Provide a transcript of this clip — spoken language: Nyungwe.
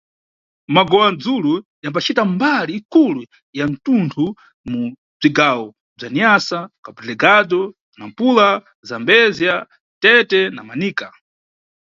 Magowa-dzulu yambacita mbali ikulu ya mtunthu mu bzigawo bza Niassa, Cabo-Delegado, Nampula, Zambézia, Tete na Manica.